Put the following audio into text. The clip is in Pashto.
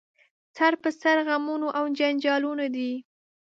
سر په سر غمونه او جنجالونه دي